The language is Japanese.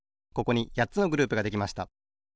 ここにやっつのグループができました。